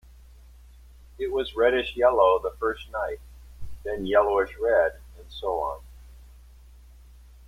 It was reddish-yellow the first night, then yellowish-red, and so on.